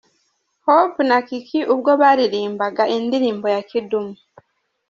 Hope na Kiki ubwo baririmbaga indirimbo ya Kidum.